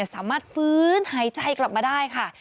สามารถฟื้นหายใจกลับมาได้ค่ะ